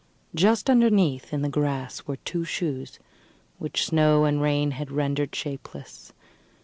Just underneath, in the grass, were two shoes, which snow and rain had rendered shapeless.